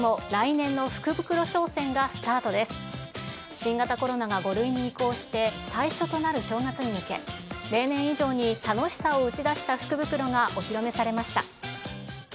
新型コロナが５類に移行して、最初となる正月に向け、例年以上に楽しさを打ち出した福袋がお披露目されました。